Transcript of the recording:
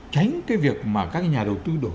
tránh cái việc mà các nhà đầu tư đổ